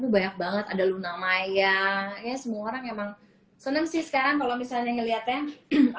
banyak banget ada luna maya ya semua orang emang seneng sih sekarang kalau misalnya ngelihatnya